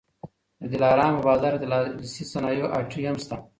د دلارام په بازار کي د لاسي صنایعو هټۍ هم سته